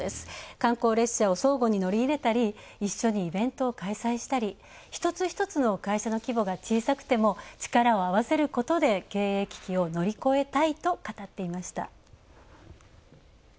観光列車を相互に乗り入れたり、一緒にイベントを開催したり一つ一つの会社の規模が小さくても力を合わせることで経営危機を乗り越えたいと語っていました。